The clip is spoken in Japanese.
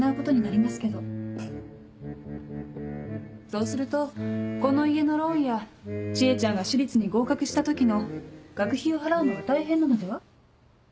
そうするとこの家のローンや知恵ちゃんが私立に合格した時の学費を払うのが大変なのでは？